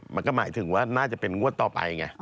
มันก็หมายถึงว่าน่าจะเป็นงวดต่อไปไง